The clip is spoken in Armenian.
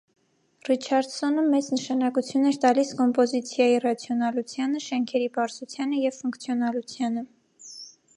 Ռիչարդսոնը մեծ նշանակություն էր տալիս կոմպոզիցիայի ռացիոնալությանը, շենքերի պարզությանը և ֆունկցիոնալությանը։